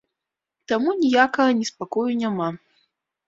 Таму ніякага неспакою няма.